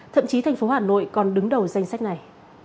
thậm chí thành phố hà nội còn đứng đầu danh sách này